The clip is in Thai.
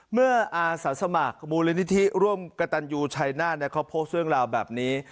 อาสาสมัครมูลนิธิร่วมกระตันยูชัยหน้าเขาโพสต์เรื่องราวแบบนี้